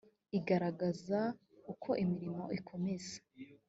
igaragaza uko imirimo ikomeza